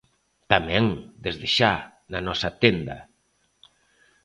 Tamén, desde xa, na nosa tenda.